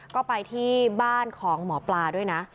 ก็ไปที่บ้านของหมอปลาด้วยนะ